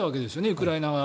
ウクライナ側は。